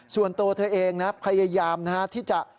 ส่วนตัวเธอเองนะพยายามที่จะ